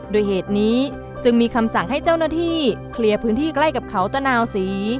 โดยเหตุนี้จึงมีคำสั่งให้เจ้าหน้าที่เคลียร์พื้นที่ใกล้กับเขาตะนาวศรี